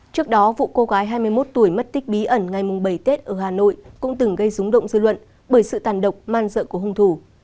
trước đó vụ cô gái hai mươi một tuổi mất tích bí ẩn ngày bảy tết ở hà nội cũng từng gây rúng động dư luận bởi sự tàn độc man dợ của hung thủ